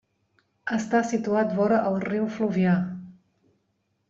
Està situat vora el riu Fluvià.